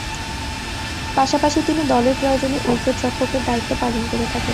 পাশাপাশি তিনি দলের প্রয়োজনে উইকেট-রক্ষকের দায়িত্ব পালন করে থাকেন।